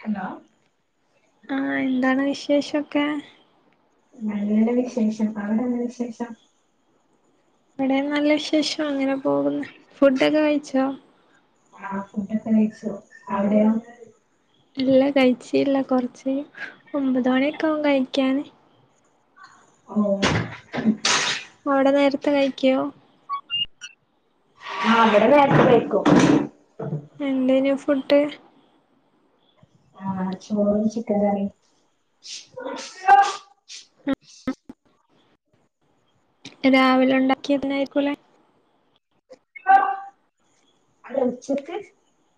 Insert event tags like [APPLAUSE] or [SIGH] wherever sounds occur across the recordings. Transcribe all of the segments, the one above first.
Hello ആ എന്താണ് വിശേഷൊക്കെ നല്ല വിശേഷം അവിടെന്ന വിശേഷം അവിടെ നല്ല വിശേഷം അങ്ങനെ പോകുന്ന് ഫുഡൊക്കെ കഴിച്ചോ ആ ഫുഡൊക്കെ കഴിച്ചു അവിടെയോ ഇല്ല കഴിച്ച ഇല്ല കൊറച്ച് ഒമ്പത് മണിയൊക്കെ ആകും കഴിക്കാൻ ഓ അവിടെ നേരത്തെ കഴിക്കോ ആ ഇവിടെ നേരത്തെ ക യിക്കും എന്തേനെ ഫുഡ് ആഹ ചോറും ചിക്കൻ കറിയും രാവിലെ ഉ ഉണ്ടാക്കിയതായിരികുംലെ [UNINTELLIGIBLE]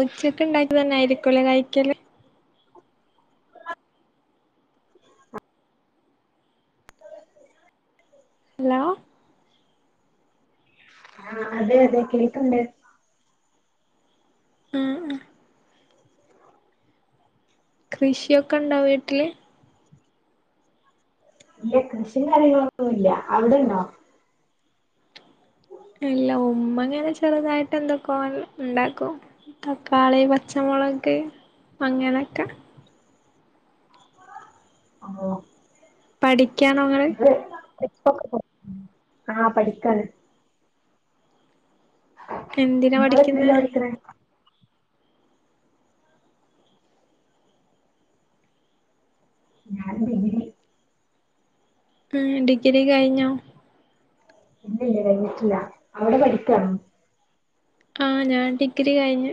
ഉചക്ക് ഉണ്ടാക്കിയത് തന്നെയായിരിക്കുംല്ലേ കഴ്ക്കല് ഹലോ ആഹ അതെ അതെ കേൾക്ണ്ട് ആഹ് ആഹ് കൃഷിയൊക്കെ ഉണ്ടോ വീട്ടില് ഇല്ല കൃഷിയും കാര്യങ്ങളൊന്നുല്ല്യ അവിടെണ്ടോ ഇല്ല ഉമ്മങ്ങനെ ചെറുതായിട്ട് എന്തൊക്കോ ഉണ്ടാക്കും തക്കാളി പച്ചമുളക് അങ്ങനൊക്കെ ആ പഠിക്കാണോ നിങ്ങൾ [UNINTELLIGIBLE] ആ പഠിക്കാണ് എന്തിനാ നിങ്ങൾ പഠിക്കുന്നെ എത്രിലാ പഠിക്കുന്നത് ഞാൻ ഡിഗ്രി ഉം ഡിഗ്രി കഴിഞ്ഞോ ഇല്ല ഇല്ല കഞ്ഞിട്ടില്ല അവിടെ പഠിക്കാണോ ആ ഞാൻ ഡിഗ്രി കഴിഞ്ഞു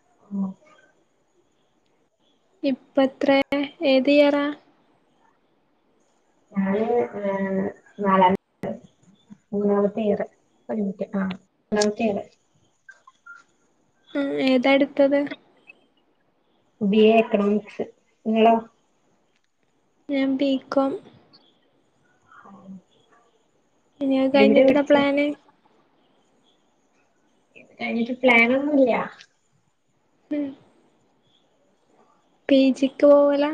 ആ ഇപ്പത്ര ഏത് ഇയറാ ഞാന് ഏ നാലാമത്തെ മൂന്നാമത്തെ ഇയർ ഒരു മിനിറ്റ് ട്ട ആ മൂന്നാമത്തെ ഇയർ ആ ഏതാടുത്തത് ബി എ എക്കണോ മിക്സ് നിങ്ങളോ ഞാൻ ബി കോം [INAUDIBLE] ഇനി എവിടെ കഴിഞ്ഞിട്ട് എന്താ പഠിച്ചേ പ്ലാന് ഇത് കഴിട്ട് പ്ലാനൊന്നുമില്ല ഉം പി ജിക്ക് പോവല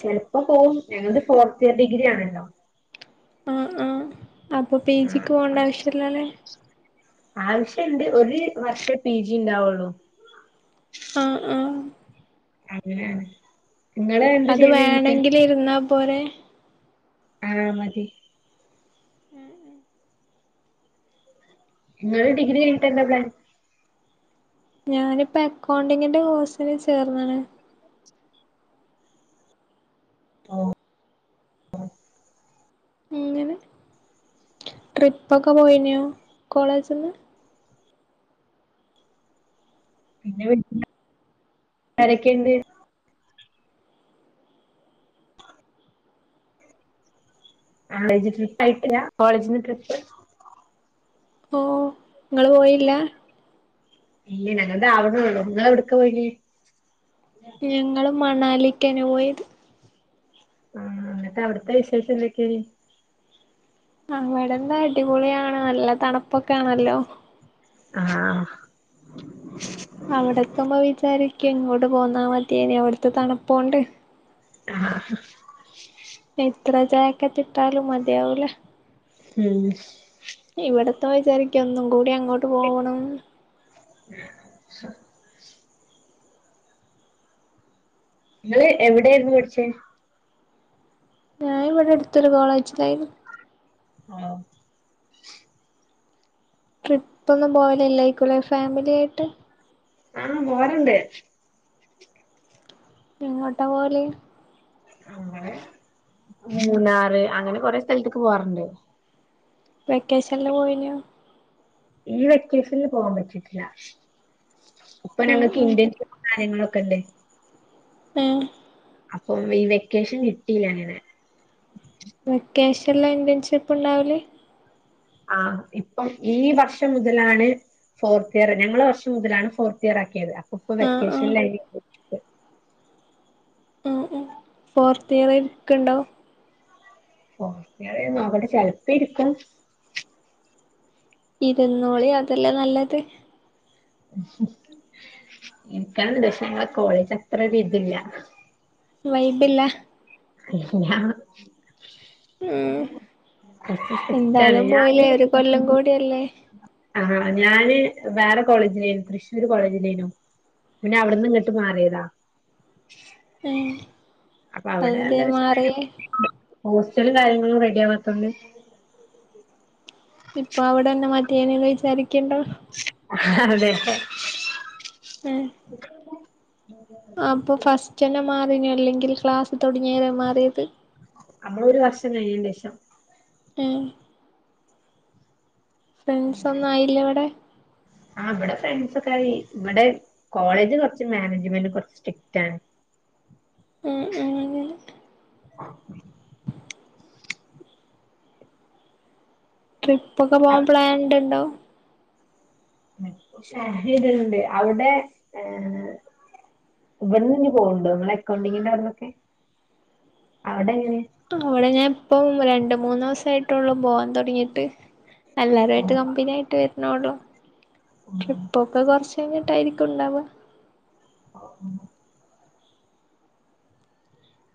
ചിലപ്പോ പോവും ഞങ്ങത് ഫോർത്ത് ഇയർ ഡിഗ്രി ആണല്ലോ ആഹ ആഹ അപ്പൊ പി ജിക്ക് പോകേണ്ട ആവശ്യല്ലല്ലേ ആവശ്യംണ്ട് ഒരു വർഷേ പി ജി ഉണ്ടാവുള്ളു ആ ആ അതെ അത് വേണെങ്കിൽ ഇരുന്നോ പോലേ ആ മതി ഉ ഉം ങ്ങള് ഡിഗ്രി കഴിഞ്ഞിട്ടെന്ത പ്ലാൻ ഞാനിപ്പ അക്കൗണ്ടിങ്ങിന്റെ കോഴ്സിനന് ചേർന്ന്ണ് ഓ ങ്ങനെ ട്രിപ്പൊക്കെ പോയിനോ കോളേജ്ന്ന് പിന്നെ പിന്ന ആരെക്കെണ്ട് കോളേജ് ട്രിപ്പ് ആയിട്ടില്ല കോളേജിന്ന് ട്രിപ്പ് ഓ നിങ്ങള് പോയില്ല ഇല്ല ഞങ്ങൾത് ആവിണൊള്ളു നിങ്ങള എവിടക്ക പോയിേനെ ഞങ്ങളും മണാലിക്ക്നെ പോയത് ആഹ എന്നിട്ട് അവിടത്തെ വിശേഷം എന്തൊക്കേ നി വിടെന്താ അടിപൊളിയാണ് നല്ല തണുപ്പൊക്കൊണല്ലോ ആഹ അവിടക്കുമ്പോ വിചാരിക്ക് ഇങ്ങോട്ട് പോന്നാ മതിയേനി അവിടുത്തെ തണുപ്പോണ്ട് ആഹ ത്ര ജായക്കറ്റ് ട്ടാലും മതിആവൂല ഹും ഇവിടത്തെ വിചാരിക്ക ഒന്നും കൂടി അങ്ങോട്ട് പോവണം ഷ ഇങ്ങള് എവിടൊയിരുന്നു പഠ്ച്ചേ ഞാൻ ഇവിടെ അടുത്തൊരു കോളേജിലായിരുന്നു ആഹ ട്രിപ്പൊന്നുംപോവലല്ലേക്കു ലെ ഫാമിലി ആായിട്ട് ആഹ് പോരണ്ട് എങ്ങോട്ട പോലെ ഞങ്ങള് മൂന്നാറ് അങ്ങനെ കൊറെ സ്ഥലത്ത്ക്ക് പോവാറ്ണ്ട് വെക്കേഷൻില് പോയി നോ ഈ വ്യക്കേഷൻല് പോവാാൻ പറ്റിട്ടില്ല ഇപ്പൊ ഉം ഞങ്ങൾക്ക് ഉം ഇറ്റ്വൻ കാര്യങ്ങളൊക്ക കണ്ടെ ആഹ അപ്പം ഈ വെക്കേഷൻ കിട്ടിയില്ല ങ്ങനെ ക്യാഷ്ല്ല ഇൻവൺഷിപ്പ് ഉണ്ടാവല് ആ ഇപ്പം ഈ വർഷം മുതലാണ് ഫോർത്ത് ഇയർ ഞങ്ങള് വർഷം മുതലാണ് ഫോർത്ത് ഇയർ ആക്കിയത് ഇപ്പൊ ആഹ് ആഹ് വെക്കേഷൻിലായിരിക്കും ആ ഉ ഫോർത്ത് ഇയർക്ക ഉണ്ടോ ഫോർത്തിയർ നോക്കട്ടെ ചിലപ്പോ ഇരിക്കും ഇരുന്നോളി അതെല്ലെ നല്ലത് ഹ് ഹ് ഇരിക്കേനി പക്ഷേ ഞങ്ങള കോളേജ് അത്ര ഒരു ഇതില്ല വൈബില്ല [UNINTELLIGIBLE] ഉം കുറച്ച് സ്ട്രിക്റ്റാണ് എന്തായാലും പോയില്ലേ ഒരു കൊല്ലം കൂടിയല്ലേ ആഹ് ഹ് ഞാന് വേറെ കോളേജിലേനും തൃശ്ശൂർ കോളേജിലേനും പിന്നെ അവിടെന്ന് ഇങ്ങട്ട് മാറിയതാ അപ്പൊ അവിടെ അതെന്തേ എന്താ വെച്ചിട്ടുണ്ടെങ്കിൽ മാറിയെ ഹോസ്റ്റലും കാര്യങ്ങളും റെഡി ആവാത്തോണ്ട് ഇപ്പൊ അവിടെ ന്നെ മ യേനേ ന്ന് വിചാരിക്കയുണ്ടോ അതെ ഉം മാറി ഞാൻ അല്ലെങ്കിൽ ക്ലാസ്സ് തുടങ്ങിയവരെ മാറിയത് നമ്മള് ഒരു വർഷം കഴിഞ്ഞന് ശേഷം ഉം ഫ്രണ്ട്സ് ഒന്നും ആയില്ല ഇവിടെ ആ ഇവിടെ ഫ്രണ്ട്സ് ഒക്കെ ഇവിടെ കോളേജ് കൊറച്ച് മാനേജ്മെന്റ് കൊറച്ച് സ്ട്രിക്റ്റ് ആണ് ഉം ഉം [UNINTELLIGIBLE] ട്രിപ്പ് ഒക്കെ പോവാൻ പ്ലാനിടണ്ടോ [UNINTELLIGIBLE] അവിടെ ഇവിട പന്ന് ഇങ്ങ് പോണുണ്ട് മ്മളെ അക്കൗണ്ടിങ്ങിന്റവിടുന്നൊക്കെ അവിടെ ഞാൻ ഇപ്പം ര ണ്ടു മൂന്ന് സൊയിട്ടുള്ളു പോവാൻ തൊടങ്ങിട്ട് എല്ലാരും ആയിട്ട് കമ്പനി ആയിട്ട് വര് നോടോ ഇപ്പൊക്കെ കൊറച്ച് എങ്ങിട്ടായിരിക്കും ഉണ്ടാവുക അതൊന്നും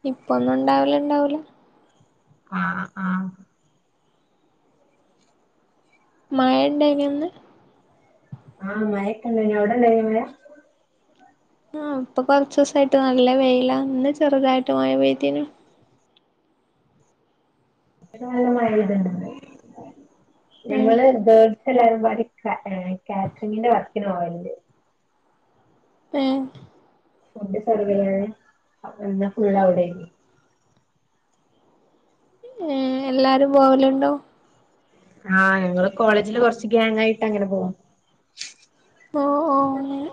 ഇപ്പൊന്നും ഉണ്ടാവില്ല ഇണ്ടാവൂല ആഹ് ആഹ് മയ ഉണ്ടോ ഇനി ഒന്ന് ആഹ് മയൊക്കെ ഇണ്ട് അവിടെ ഇണ്ടായി മഴ ആഹ് ഇപ്പൊ കൊറച് ദിവസായിട്ട് നല്ല വെയില ഇന്ന് ചെറുതായിട്ട് മഴ പെയ്തീനു ഇവിടെ നല്ല മഴ പെയ്തുണ്ട് ഇന്ന് ഏഹ് ഞങ്ങള് ഇത്‌- എല്ലാരുംപാടി കാ കാറ്ററിങ്ങിന്റെ വർക്കിന് പോവലുണ്ട് മ് ഫുഡ് സർവ് ചെയ്യാനും അപ്പൊ പിന്നെ ഫുൾ അവടെയാന് ഏ എല്ലാരും പോവലുണ്ടോ ആഹ് ഞങ്ങള് കോളേജില് കൊറച്ച് ഗ്യാങ്ങായിട്ട് അങ്ങനെ പോകും ഓ ഓ അങ്ങനെ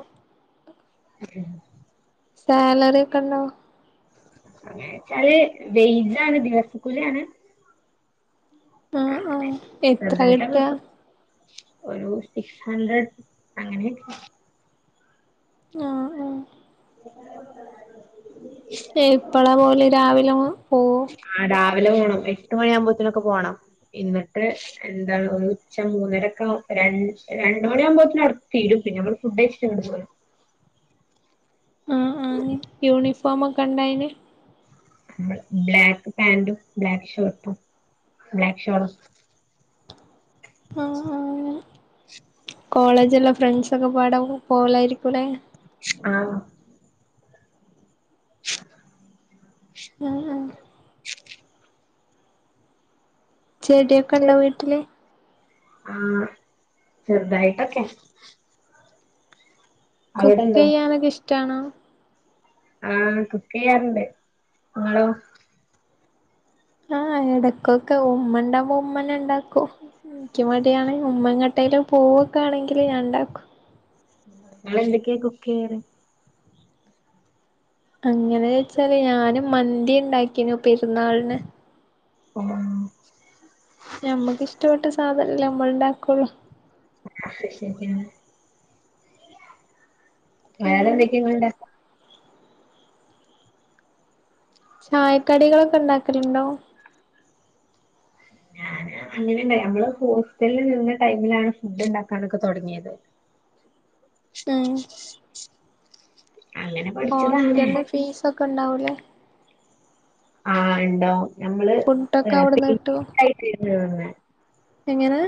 [UNINTELLIGIBLE] സാലറി ഒക്കെണ്ടോ അങ്ങനെ വെയ്ജാണ് ദിവസക്കൂലിയാണ് ആ ഹ് ആ ഹ് എത്ര ചെറുതായിട്ടൊക്കെ കിട്ടാ കിട്ടും ഒരു സിക്സ് ഹൺഡ്രഡ് അങ്ങനെ ആഹ് ആഹ് എപ്പളാ പോല്? രാവിലെ മു പോവും. ആ രാവിലെ പോണം. എട്ട് മണിയാമ്പോത്തിനൊക്കെ പോണം. ഇന്നട്ട് എന്താണ് ഉച്ച മൂന്നരൊക്കെ രൺ രണ്ട് മണിയാവ്മ്പോത്തിന് അവടെ തീരും. പിന്നെ മ്മള് ഫുഡ് കയിച്ചിങ്ങട്ട് പോരും. ആഹ് ആഹ് യൂണിഫോമൊക്കെണ്ടായിന്? ണ്ട്. ബ്ലാക്ക് പാന്റും ബ്ലാക്ക് ഷേട്ടും ബ്ലാക്ക് ഷോളും. ആഹ് ആഹ് അങ്ങനെ കോളേജുള്ള ഫ്രെണ്ട്സൊക്കെപ്പാടെ പോവ ലായിരിക്കൂലേ? ആഹ്. ആഹ് ആഹ്. ചെടിയൊക്കൊണ്ടോ വീട്ട്ല്? ആഹ് ചെർതായിട്ടൊക്കെ. കുക്കെയ്യാനൊക്ക ഇഷ് ട്ടാണോ? ആഹ് കുക്കെയ്യാറ്ണ്ട് ങ്ങളോ? ആഎടക്കൊക്കെ ഉമ്മ ഉണ്ടാവുമ്പോ ഉമ്മന്നെണ്ടാക്കും നിക്ക് മടിയാണ് ഉമ്മങ്ങേട്ടേലും പോകാണെങ്കില് ഞാൻണ്ടാക്കും ഇങ്ങളെന്തൊക്കെ കുക്കിയല് അങ്ങനെ ചോയ്ച്ചാല് ഞാനും മന്തിണ്ടാക്കിനു പെരുന്നാളിന് ഓ ഉം ഞമ്മക്ക്ഷ്ടപ്പെട്ട സാധനല്ലേ ഞമ്മള്ണ്ടാക്കുള്ളു ശ ശരിയാണ് അങ്ങനെ വേറെന്തൊക്കെ ഇങ്ങൾണ്ടാ ചായക്കടികളൊക്കെണ്ടാക്കലുണ്ടോ അങ്ങനെണ്ടേ അമ്മള് ഹോസ്റ്റലിൽ നിന്ന ടൈമിലാണ് ഫുഡ്ണ്ടാക്കാനൊക്കെ തുടങ്ങിയത് ഉം അങ്ങനെ പഠിച്ചതാണ് ഹോസ്റ്റലിന് ഫീസൊക്കെണ്ടാവൂലേ ആ ഇണ്ടാവും നമ്മള് ഫുഡൊക്കെ അവിടുന്ന് കിട്ടുവോ [UNINTELLIGIBLE] എങ്ങനെ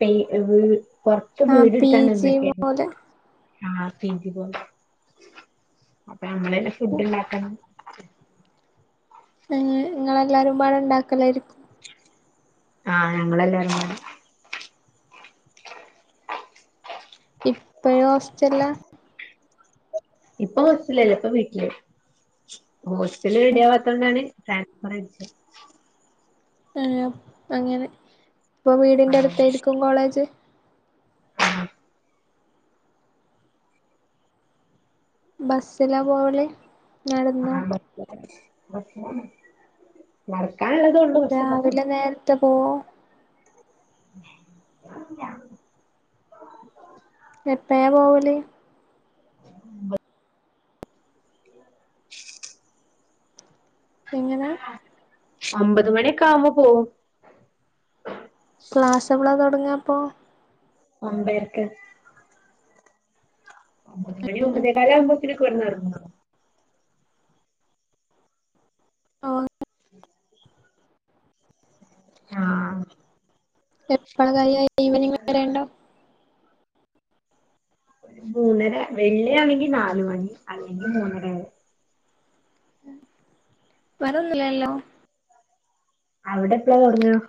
പേ അത് കൊറച്ച് ആഹ് പി വീടെട്ത്ങ്ങാണ്ട് ജി എന്തൊക്കെ ആണ് പോലെ ആ പീ ജി പോലെ നമ്മളെന്നെ ഫുഡ്ണ്ടാക്കണം [UNINTELLIGIBLE] ഏ ഇങ്ങെളല്ലാരുംപാടെണ്ടാക്കലാരിക്കും ആ ഞങ്ങളെല്ലാരുംപാടെ ഇപ്പഴുഹോസ്റ്റലിലാ ഇപ്പൊ ബസ്സില്ലല്ല ഇപ്പൊ വീട്ടില് ഹോസ്റ്റൽ റെഡി ആവാത്ത കൊണ്ടാണ് ടെമ്പറേച്ചർ [UNINTELLIGIBLE] അങ്ങനെ ഇപ്പൊ ആ വീടിന്റെ അടുത്തായിരിക്കും കോളേജ് [UNINTELLIGIBLE] ബസ്സിലപോലെ നടന്നു ആ ബസ്സിലാണ് [UNINTELLIGIBLE] പക്ഷെ ബസ്സി രാവിലെ നേരത്തെ പോവോ [UNINTELLIGIBLE] എപ്പഴാ പോവല് ബൗ [UNINTELLIGIBLE] പ്പ എങ്ങനാ ഒമ്പത് മണിയൊക്കെ ആവുമ്പോ പോവും ക്ലാസ് എപളാ തുടങ്ങാ പ്പോ ഒബ്ബരയ്ക് ഒമ്പത് മണി ഒമ്പതേക്കാലാവുമ്പോ ഇനക്ക് വരുന്നോ ഇറങ്ങാം ആ ആ എപ്പ് ഈവനിങ് വരെണ്ടോ ഒരു മൂന്നര വെള്ളിയാണെങ്കി നാല്മണി അല്ലെങ്കിൽ മൂന്നരയാവും വരുന്നില്ലല്ലോ അവിടെ എപ്പളാ തുടങ്ങുക